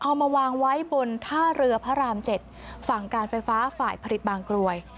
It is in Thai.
เอามาวางไว้บนท่าเรือพระราม๗ฝั่งการไฟฟ้าฝ่ายผลิตบางกรวย